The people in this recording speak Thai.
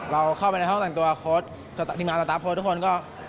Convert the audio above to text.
เราเข้าไปในห้องแต่งตัวโค้ดทีมงานสตาร์โค้ดทุกคนก็